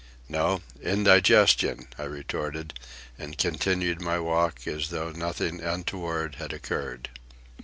"No; indigestion," I retorted, and continued my walk as if nothing untoward had occurred.